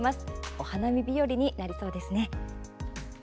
お花見日和になりそうですね。